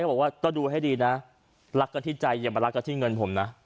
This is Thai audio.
บอกว่าก็ดูให้ดีนะรักกันที่ใจอย่ามารักกันที่เงินผมนะ